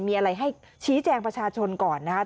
มีอะไรให้ชี้แจงประชาชนก่อนนะครับ